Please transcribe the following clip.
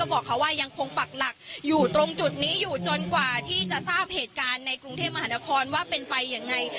บอกเขาว่ายังคงปักหลักอยู่ตรงจุดนี้อยู่จนกว่าที่จะทราบเหตุการณ์ในกรุงเทพมหานครว่าเป็นไปยังไง